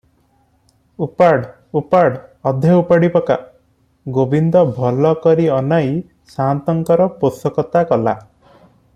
ଉପାଡ଼ ଉପାଡ୍ ଅଧେ ଉପାଡ଼ିପକା ।' ଗୋବିନ୍ଦ ଭଲ କରି ଅନାଇ ସା'ନ୍ତଙ୍କର ପୋଷକତା କଲା ।